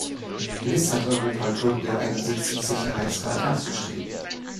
Gewiss hat Europa Gründe, einen Sitz im Sicherheitsrat anzustreben.